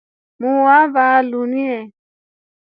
Muu wa vaa linu.